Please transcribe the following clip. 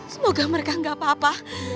semoga mereka gak apa apa